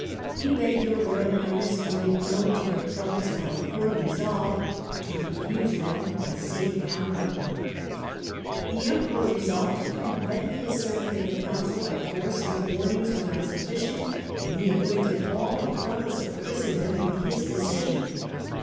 We beg your Royal Highness to make known to your Prelates our firm resolve to refuse them a safe conduct." N 194 STUPOR MUNDI The Emperor resolved to prevent the assembly of the Council by force if warnings were not sufficient, and he acquainted all the Prelates of Christendom with his decision.